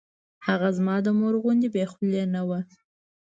هغه زما د مور غوندې بې خولې نه وه.